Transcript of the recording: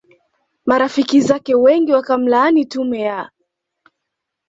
marafiki zake wengi wakamlaani tume ya